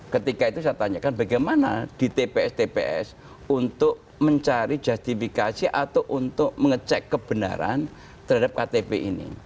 ketika itu saya tanyakan bagaimana di tps tps untuk mencari justifikasi atau untuk mengecek kebenaran terhadap ktp ini